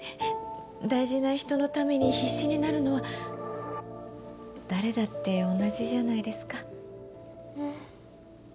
大事な人のために必死になるのは誰だって同じじゃないですか。